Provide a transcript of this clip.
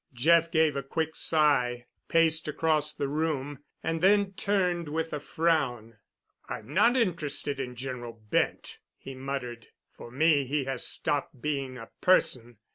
Jeff gave a quick sigh, paced across the room, and then turned with a frown. "I'm not interested in General Bent," he muttered. "For me he has stopped being a person.